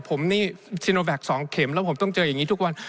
ผมนี่ชิโนแบค๒เข็มแล้วผมต้องเจออย่างนี้ทุกวัน